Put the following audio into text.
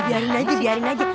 biarin aja biarin aja